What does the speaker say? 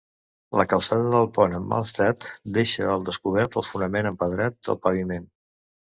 La calçada del pont, en mal estat, deixa al descobert el fonament empedrat del paviment.